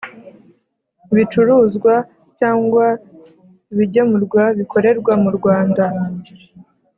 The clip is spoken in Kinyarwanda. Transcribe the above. ibicuruzwa cyangwa ibigemurwa bikorerwa mu Rwanda